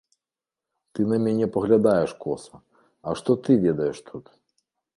Ты на мяне паглядаеш коса, а што ты ведаеш тут?